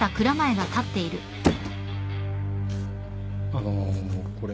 あのこれ。